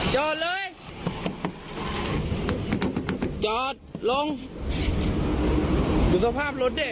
จอดเลยจอดลงดูสภาพรถดิ